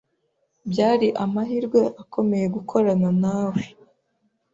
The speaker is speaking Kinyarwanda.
Byari amahirwe akomeye gukorana nawe.